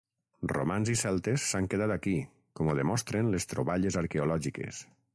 Romans i celtes s'han quedat aquí, com ho demostren les troballes arqueològiques.